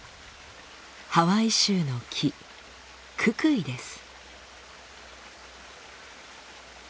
ハワイ州の木ククイです。